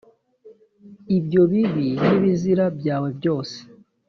ibyo bibi n’ibizira byawe byose